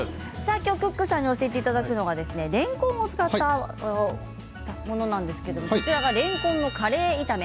きょうクックさんに教えていただくのはれんこんを使ったものなんですけどれんこんのカレー炒め。